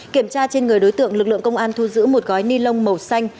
kiểm tra trên người đối tượng lực lượng công an thu giữ một gói ni lông màu xanh